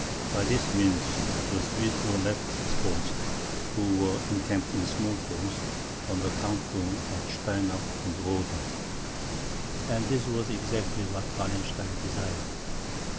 By this means the Swedes were left exposed, who were encamped in small force under Count Thurn, at Steinau, on the Oder, and this was exactly what Wallenstein desired.